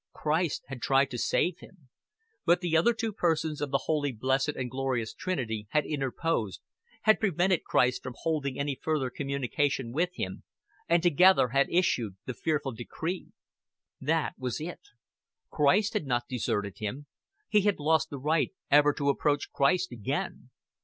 Christ had tried to save him; but the other two persons of the Holy Blessed and Glorious Trinity had interposed, had prevented Christ from holding any further communication with him, and together had issued the fearful decree. That was it. Christ had not deserted him; he had lost the right ever to approach Christ again.